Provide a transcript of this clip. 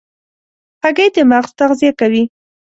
هګۍ د مغز تغذیه کوي.